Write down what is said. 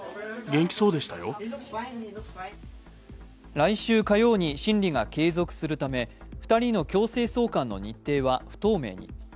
来週火曜に審理が継続するため２人の強制送還の日程は不透明に。